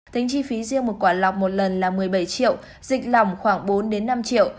tính chi phí riêng một quả lọc một lần là một mươi bảy triệu dịch lỏng khoảng bốn năm triệu